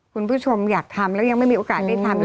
คุณผู้ชมอยากทำแล้วยังไม่มีโอกาสได้ทำเลย